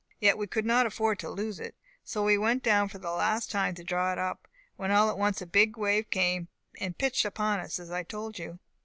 Yet we could not afford to lose it; so we went down for the last time to draw it up, when all at once a big wave came and pitched it upon us as I told you.